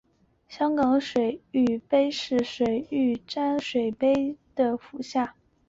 香港水玉杯是水玉簪科水玉杯属下的一个腐生草本植物物种。